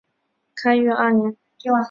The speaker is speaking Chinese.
开运二年。